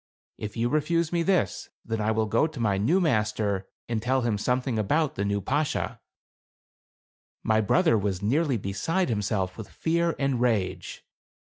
If you refuse me this, then I will go to my new master and tell him something about the new Bashaw." My brother was nearly beside himself with fear and rage.